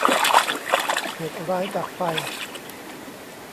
เหตุร้ายจากไฟ